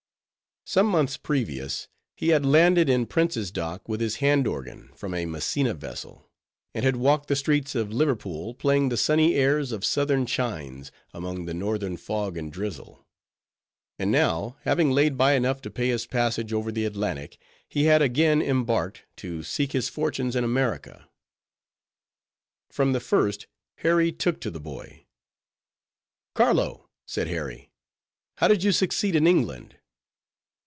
Some months previous, he had landed in Prince's Dock, with his hand organ, from a Messina vessel; and had walked the streets of Liverpool, playing the sunny airs of southern climes, among the northern fog and drizzle. And now, having laid by enough to pay his passage over the Atlantic, he had again embarked, to seek his fortunes in America. From the first, Harry took to the boy. "Carlo," said Harry, "how did you succeed in England?"